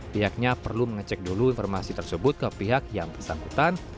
pihaknya perlu mengecek dulu informasi tersebut ke pihak yang bersangkutan